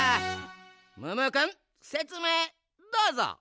ムームーくんせつめいどうぞ！